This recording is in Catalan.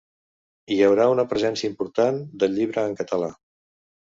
Hi haurà una presència important del llibre en català.